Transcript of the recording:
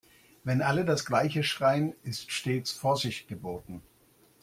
Wenn alle das gleiche schreien, ist stets Vorsicht geboten.